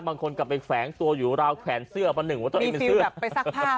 บางคนก็ไปแฝงตัวอยู่ราวแขนเสื้อประหนึ่งว่าต้องเอียดเป็นเสื้อมีฟิวแบบไปซักผ้าไหม